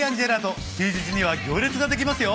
休日には行列ができますよ。